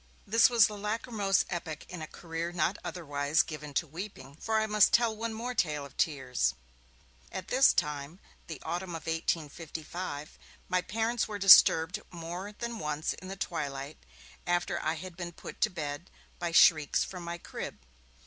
This was the lachrymose epoch in a career not otherwise given to weeping, for I must tell one more tale of tears. About this time, the autumn of 1855, my parents were disturbed more than once in the twilight, after I had been put to bed, by shrieks from my crib.